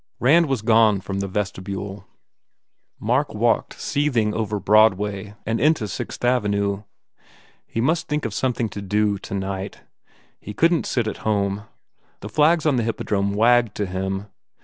Rand was gone from the vesrtrbule. Mark walked seething over Broadway and into Sixth Avenue. He must think of something to do, to night. He couldn t sit at home. The flags on the Hippodrome wagged to him.